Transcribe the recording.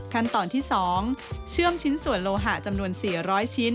ขั้นตอนที่๒เชื่อมชิ้นส่วนโลหะจำนวน๔๐๐ชิ้น